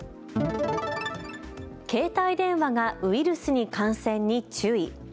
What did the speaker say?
携帯電話がウイルスに感染に注意。